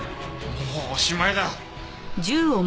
もうおしまいだ。